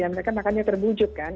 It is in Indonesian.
mereka makanya terwujud kan